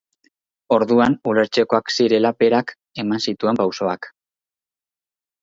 Orduan ulertzekoak zirela berak eman zituen pausoak.